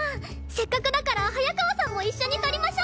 せっかくだから早川さんも一緒に撮りましょう！